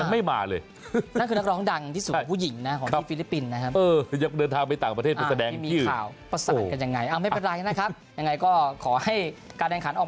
ไม่มาเลยนั่นคือนักร้องดังที่สุดของผู้หญิงนะของที่ฟิลิปปินส์นะครับ